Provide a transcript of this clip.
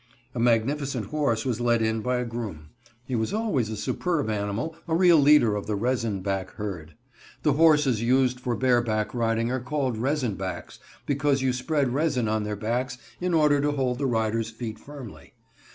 A magnificent horse was led in by a groom. He was always a superb animal, a real leader of the "resin back" herd. The horses used for bareback riding are called "resin backs," because you spread resin on their backs in order to hold the rider's feet firmly.